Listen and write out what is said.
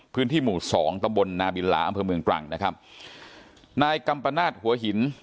พื้นที่หมู่สองตำบลนาบิลลาอำเภอเมืองตรังนะครับนายกัมปนาศหัวหิน